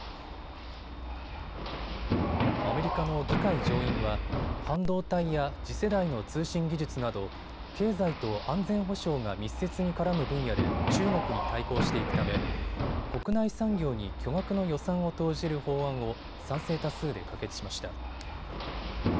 アメリカの議会上院は半導体や次世代の通信技術など経済と安全保障が密接に絡む分野で中国に対抗していくため国内産業に巨額の予算を投じる法案を賛成多数で可決しました。